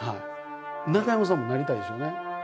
中山さんもなりたいですよね。